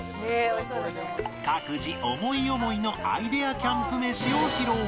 各自思い思いのアイデアキャンプ飯を披露